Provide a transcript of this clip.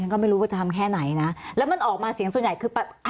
ก็ไม่รู้ว่าจะทำแค่ไหนนะแล้วมันออกมาเสียงส่วนใหญ่คือ